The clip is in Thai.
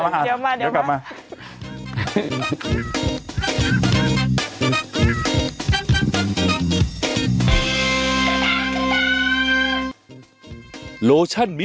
สวัสดีครับคุณผู้ชม